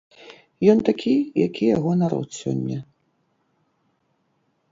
Ён такі, які яго народ сёння.